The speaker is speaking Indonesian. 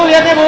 lihat ya bu